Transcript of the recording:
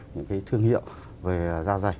những cái thương hiệu về da dày